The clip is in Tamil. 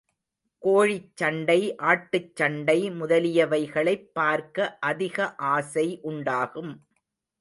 கோழிச்சண்டை, ஆட்டுச்சண்டை முதலியவைகளைப் பார்க்க அதிக ஆசை உண்டாகும்.